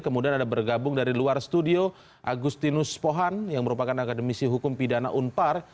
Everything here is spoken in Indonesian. kemudian ada bergabung dari luar studio agustinus pohan yang merupakan akademisi hukum pidana unpar